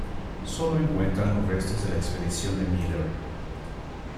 Sólo encuentran los restos de la expedición de Miller.